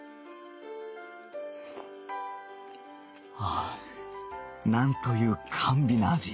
はあなんという甘美な味